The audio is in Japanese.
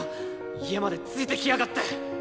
家までついてきやがって！